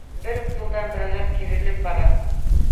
Бер үк юлдан берәүҙәр кирелеп бара